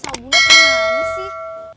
sabunnya kemana sih